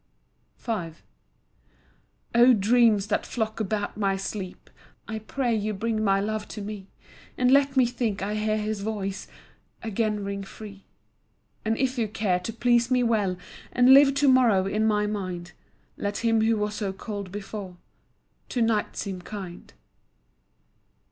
V O dreams that flock about my sleep, I pray you bring my love to me, And let me think I hear his voice Again ring free. And if you care to please me well, And live to morrow in my mind, Let him who was so cold before, To night seem kind.